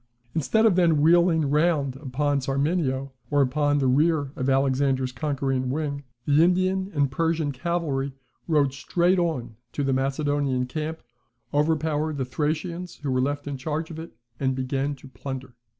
Instead of then wheeling round upon Sarmenio, or upon the rear of Alexander's conquering wing, the Indian and Persian cavalry rode straight on to the Macedonian camp, overpowered the Thracians who were left in charge of it, and began to plunder.